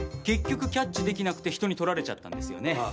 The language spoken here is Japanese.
結局キャッチ出来なくて他人に取られちゃったんですよね。